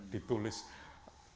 ditulis jalan dendels gitu ya